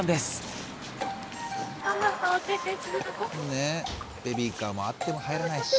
ねえベビーカーもあっても入らないし。